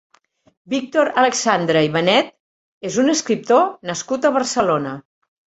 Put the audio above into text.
Víctor Alexandre i Benet és un escriptor nascut a Barcelona.